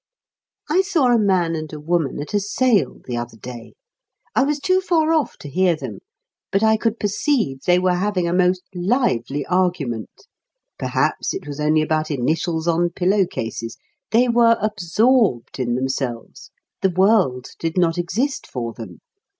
I saw a man and a woman at a sale the other day; I was too far off to hear them, but I could perceive they were having a most lively argument perhaps it was only about initials on pillowcases; they were absorbed in themselves; the world did not exist for them.